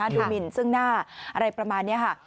ดูหมิลซึ่งหน้าอะไรประมาณนี้